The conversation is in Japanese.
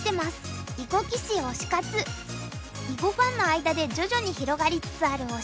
囲碁ファンの間で徐々に広がりつつある推し活。